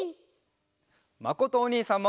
まことおにいさんも。